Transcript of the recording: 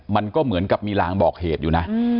มันก็เหมือนกับมีลางบอกเหตุอยู่นะ